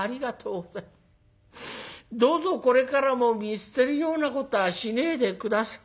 どうぞこれからも見捨てるようなことはしねえで下さい。